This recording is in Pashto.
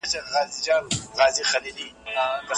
پرتلیزه مطالعه زموږ پوهه زیاتوي.